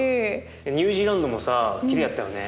ニュージーランドもさきれいやったよね。